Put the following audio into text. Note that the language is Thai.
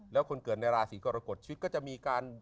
แล้วคนเกิดในราศีกรกฎชีวิตก็จะมีการ